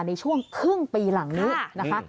ในช่วงครึ่งปีหลังนี้นะคะ